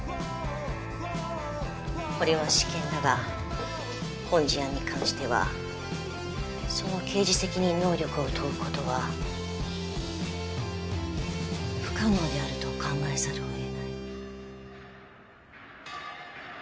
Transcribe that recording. これは私見だが本事案に関してはその刑事責任能力を問う事は不可能であると考えざるを得ない。